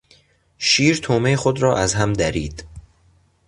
شیر طعمهی خود را از هم درید.